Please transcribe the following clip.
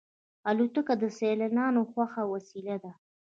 الوتکه د سیلانیانو خوښه وسیله ده.